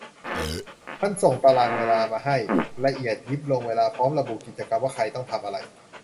มันส่งตารางเวลามาให้ ! ละเอียดยิบ ลงเวลาพร้อมระบุกิจกรรมว่าใครต้องทำอะไร